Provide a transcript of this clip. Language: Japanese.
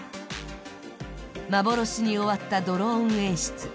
幻に終わったドローン演出。